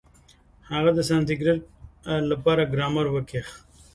هغه د سانسکرېټ له پاره ګرامر وکېښ.